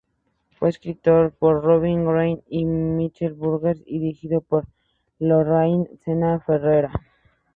Fue escrito por Robin Green y Mitchell Burgess, y dirigido por Lorraine Senna Ferrara.